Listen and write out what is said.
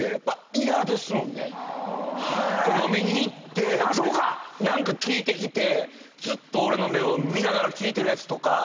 飲みに行って何か聞いてきてずっと俺の目を見ながら聞いてるやつとか。